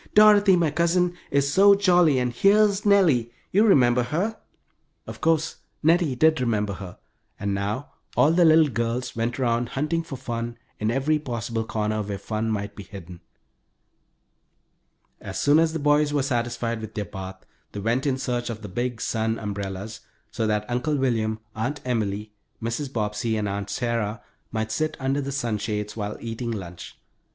"Dorothy, my cousin, is so jolly, and here's Nellie you remember her?" Of course Nettie did remember her, and now all the little girls went around hunting for fun in every possible corner where fun might be hidden. As soon as the boys were satisfied with their bath they went in search of the big sun umbrellas, so that Uncle William, Aunt Emily, Mrs. Bobbsey, and Aunt Sarah might sit under the sunshades, while eating lunch.